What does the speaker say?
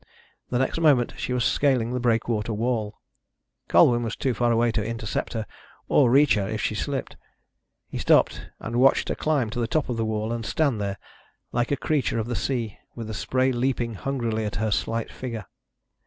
The next moment she was scaling the breakwater wall. Colwyn was too far away to intercept her, or reach her if she slipped. He stopped and watched her climb to the top of the wall, and stand there, like a creature of the sea, with the spray leaping hungrily at her slight figure.